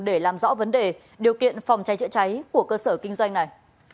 để làm rõ vấn đề điều kiện phòng cháy chữa cháy của cơ sở kinh doanh này